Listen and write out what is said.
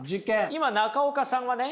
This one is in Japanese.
今中岡さんはね